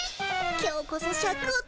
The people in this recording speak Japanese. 今日こそシャクを取り返すよ。